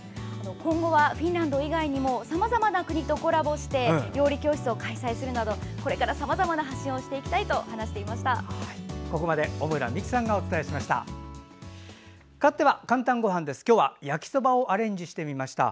今後はフィンランド以外にもさまざまな国とコラボして料理教室を開催するなどこれからさまざまな発信をここまで小村美記さんがお伝えしました。